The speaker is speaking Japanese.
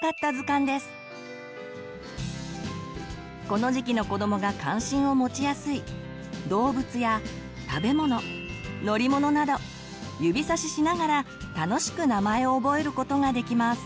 この時期の子どもが関心を持ちやすい「動物」や「食べ物」「乗り物」など指さししながら楽しく名前を覚えることができます。